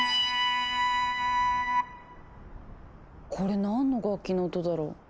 これ何の楽器の音だろう？